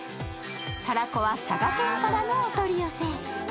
たらこは佐賀県からのお取り寄せ。